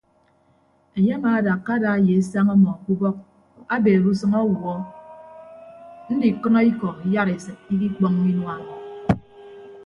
Enye amaadakka ada ye esañ ọmọ ke ubọk abeere usʌñ awuọ ndikʌnọ ikọ iyaresịt ikikpọññọ inua ọmọ.